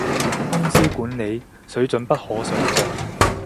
公司管理，水準不可想像